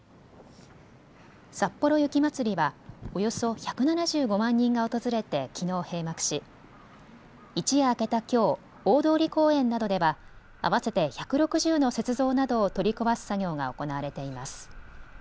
さっぽろ雪まつりはおよそ１７５万人が訪れてきのう閉幕し一夜明けたきょう、大通公園などでは合わせて１６０の雪像などを取り壊す作業が行われています。